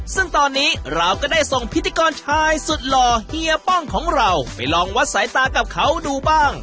ซึ่งตอนนี้เราก็ได้ส่งพิธีกรชายสุดหล่อเฮียป้องของเราไปลองวัดสายตากับเขาดูบ้าง